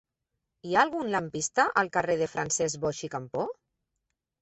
Hi ha algun lampista al carrer de Francesc Boix i Campo?